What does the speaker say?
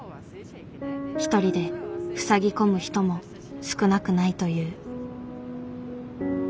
一人でふさぎ込む人も少なくないという。